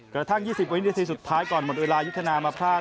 กระทั่ง๒๐วินาทีสุดท้ายก่อนหมดเวลายุทธนามาพลาด